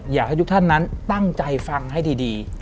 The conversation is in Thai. อยากให้ทุกท่านนั้นตั้งใจฟังให้ดี